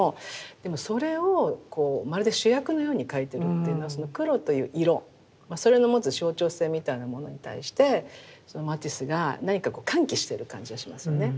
でもそれをまるで主役のように描いてるっていうのはその黒という色それの持つ象徴性みたいなものに対してマティスが何か喚起してる感じがしますよね。